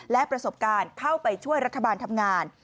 และประสบการณ์เข้าไปช่วยรัฐบาลทำงาน